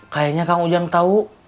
kayaknya kang ujang tau